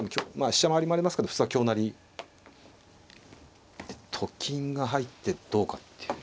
飛車回りもありますけど普通は香成り。と金が入ってどうかっていう。